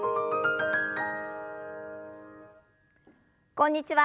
こんにちは。